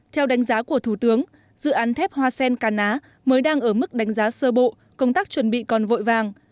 theo đánh giá của thủ tướng dự án thép hoa sen cà ná mới đang ở mức đánh giá sơ bộ công tác chuẩn bị còn vội vàng